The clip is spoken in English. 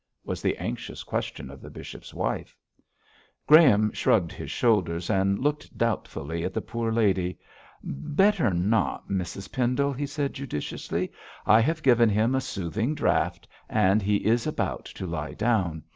was the anxious question of the bishop's wife. Graham shrugged his shoulders, and looked doubtfully at the poor lady. 'Better not, Mrs Pendle,' he said judiciously. 'I have given him a soothing draught, and now he is about to lie down.